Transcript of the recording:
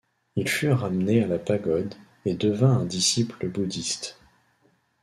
Il fut ramené à la pagode et devint un disciple Bouddhiste.